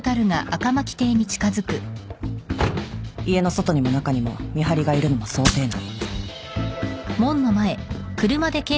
家の外にも中にも見張りがいるのも想定内。